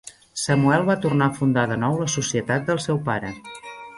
Samuel va tornar a fundar de nou la societat del seu pare.